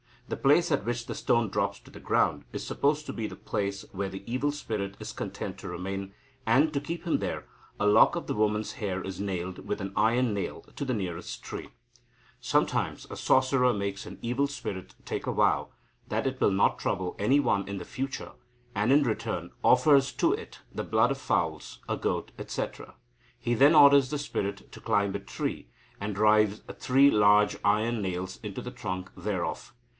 The place at which the stone drops to the ground is supposed to be the place where the evil spirit is content to remain, and, to keep him there, a lock of the woman's hair is nailed with an iron nail to the nearest tree." Sometimes a sorcerer makes an evil spirit take a vow that it will not trouble any one in the future, and, in return, offers to it the blood of fowls, a goat, etc. He then orders the spirit to climb a tree, and drives three large iron nails into the trunk thereof.